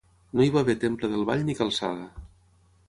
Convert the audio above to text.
No hi va haver temple del vall ni calçada.